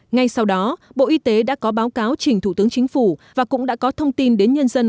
ngay sau đó bộ y tế đã có báo cáo trình thủ tướng chính phủ và cũng đã có thông tin đến nhân dân